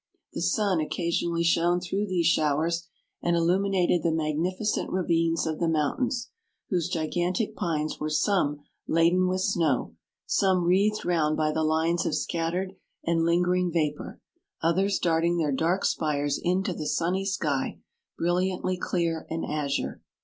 The sun occasionally shone through these show ers, and illuminated the magnificent ra vines of the mountains, whose gigantic pines were some laden with snow, some wreathed round by the lines of scat tered and lingering vapour; others 91 darting their dark spires into the sunny sky, brilliantly clear and azure.